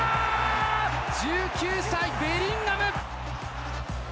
１９歳、ベリンガム！